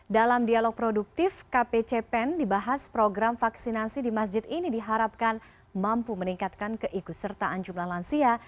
dalam dialog produktif kpcpen dibahas program vaksinasi di masjid ini diharapkan mampu meningkatkan keikutsertaan jumlah lansia